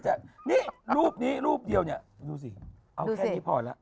มาสองคนเลยแล้วลืมเหรอ